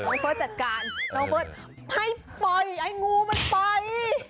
เฟิร์สจัดการน้องเบิร์ตให้ปล่อยไอ้งูมันไป